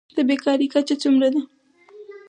د بیکارۍ کچه څومره ده؟